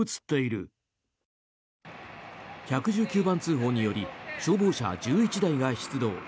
１１９番通報により消防車１１台が出動。